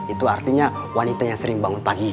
itu artinya wanita yang sering bangun pagi